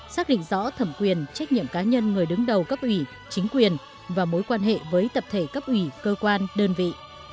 xác định rõ thẩm quyền trách nhiệm cá nhân người đứng đầu cấp ủy chính quyền và mối quan hệ với tập thể cấp ủy cơ quan đơn vị